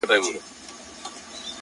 پرون دي بيا راته غمونه راكړل،